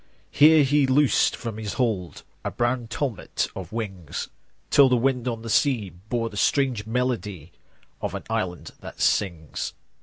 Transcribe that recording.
5 Here He loosed from His hold A brown tumult of wings, Till the wind on the sea Bore the strange melody Of an island that sings.